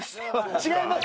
違います